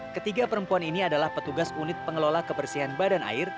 ketiga perempuan ini adalah petugas unit pengelola kebersihan badan air